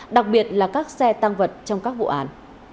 đặc biệt là các xe tăng vật trong các vụ án